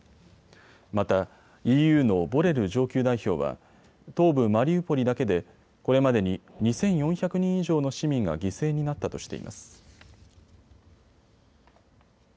またＥＵのボレル上級代表は東部マリウポリだけでこれまでに２４００人以上の市民が犠牲になったとしています。